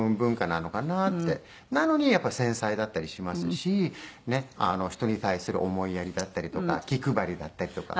なのにやっぱ繊細だったりしますし人に対する思いやりだったりとか気配りだったりとか。